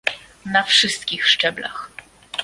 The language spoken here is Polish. na wszystkich szczeblach